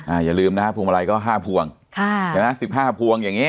อย่าลืมนะฮะพวงมาลัยก็ห้าพวงค่ะใช่ไหมสิบห้าพวงอย่างงี้